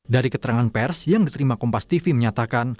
dari keterangan pers yang diterima kompas tv menyatakan